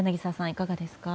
いかがですか？